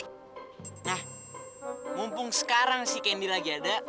nah mumpung sekarang si kendi lagi ada